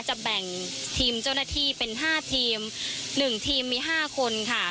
จะแบ่งทีมเจ้าหน้าที่เป็น๕ทีม๑ทีมมี๕คนค่ะ